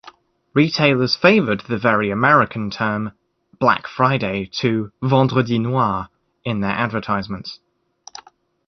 Retailers favored the very American term "Black Friday" to "Vendredi noir" in their advertisements.